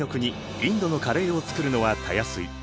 インドのカレーを作るのはたやすい。